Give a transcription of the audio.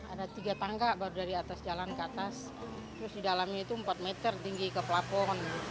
ada tiga tangga baru dari atas jalan ke atas terus di dalamnya itu empat meter tinggi ke plafon